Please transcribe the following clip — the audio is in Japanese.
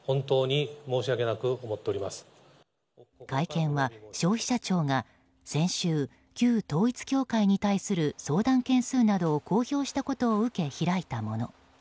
会見は消費者庁が先週、旧統一教会に対する相談件数などを公表したことを受け、開いたもの。